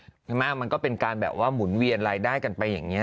มันก็เป็นการแบบว่าหมุนเวียนรายได้กันไปอย่างนี้